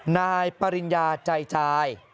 นายปริญญาใจชาย